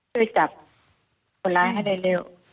ช่วยจับคนร้ายให้ได้เร็ว